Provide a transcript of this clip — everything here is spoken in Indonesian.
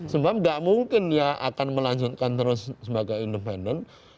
sebab tidak mungkin dia akan melanjutkan terus sebagai independen